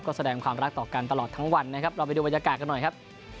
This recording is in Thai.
ก็แสดงความรักต่อกันตลอดทั้งวันนะครับเราไปดูบรรยากาศกันหน่อยครับ